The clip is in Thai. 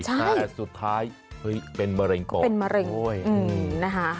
ใช่สุดท้ายเป็นมะเร็งปอดด้วยอืมนะคะ